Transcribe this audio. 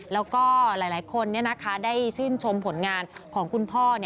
แล้วก็หลายคนได้ชื่นชมผลงานของคุณพ่อ